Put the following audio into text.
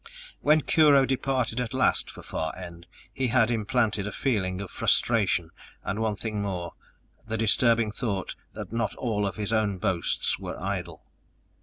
When Kurho departed at last for Far End, he had implanted a feeling of frustration and one thing more the disturbing thought that not all of his own boasts were idle!